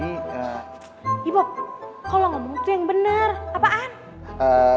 ibu kalau ngomong itu yang benar apaan